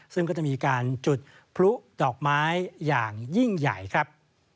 ซึ่งก็จะมีการจุดพลุดอกไม้อย่างยิ่งใหญ่ครับ